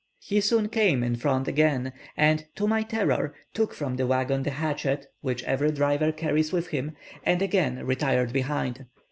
He soon came in front again, and, to my terror, took from the waggon the hatchet which every driver carries with him, and again retired behind.